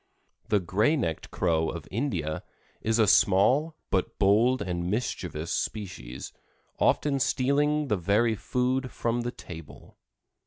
The Gray necked Crow of India is a small but bold and mischievous species, often stealing the very food from the table.